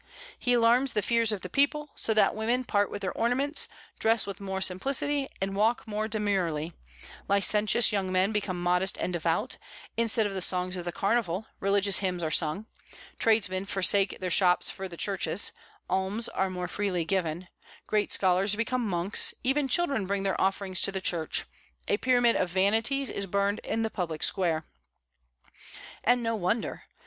He alarms the fears of the people, so that women part with their ornaments, dress with more simplicity, and walk more demurely; licentious young men become modest and devout; instead of the songs of the carnival, religious hymns are sung; tradesmen forsake their shops for the churches; alms are more freely given; great scholars become monks; even children bring their offerings to the Church; a pyramid of "vanities" is burned on the public square. And no wonder.